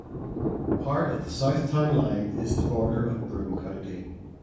Part of the south town line is the border of Broome County.